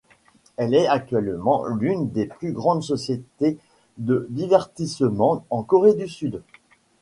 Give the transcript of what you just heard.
Elle est actuellement l'une des plus grandes sociétés de divertissement en Corée du Sud.